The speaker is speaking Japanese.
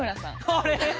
あれ？